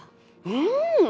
うん！